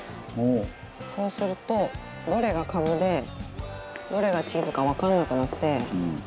そうするとどれがカブでどれがチーズかわかんなくなって。